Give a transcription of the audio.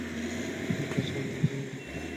আমি তার সামনে সামনে ছুটতে লাগলাম।